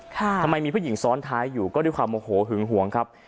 ทำไมมีผู้หญิงซ้อนท้ายอยู่ก็ด้วยความโมโหหึงห่วงครับ